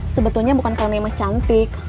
sebetulnya bukan karena imas cantik